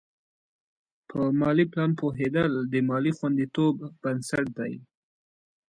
په مالي پلان پوهېدل د مالي خوندیتوب بنسټ دی.